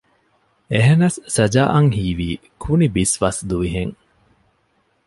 އެހެނަސް ސަޖާއަށް ހީވީ ކުނިބިސްވަސް ދުވިހެން